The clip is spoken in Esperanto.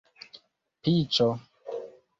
piĉo